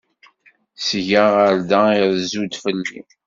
Seg-a ɣer da irezzu-d fell-i.